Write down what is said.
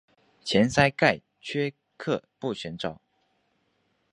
前鳃盖缺刻不显着。